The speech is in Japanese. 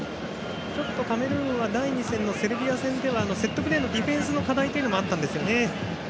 カメルーンは第２戦のセルビア戦ではセットプレーのディフェンスの課題もあったんですよね。